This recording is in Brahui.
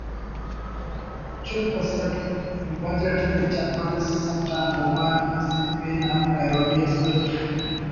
چُپ ئسک بج اٹ تے چپل اس سٹان ہوغان اسہ پین ہم پیروڈی اس ”الف